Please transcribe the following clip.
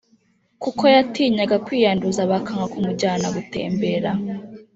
kuko yatinyaga kwiyanduza bakanga kumujyana gutembera